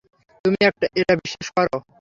তুমি এটা বিশ্বাস করো?